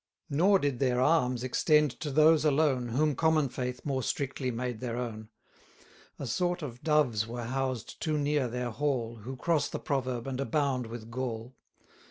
Nor did their alms extend to those alone, Whom common faith more strictly made their own; A sort of Doves were housed too near their hall, Who cross the proverb, and abound with gall.